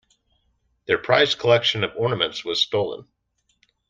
Their prized collection of ornaments was stolen.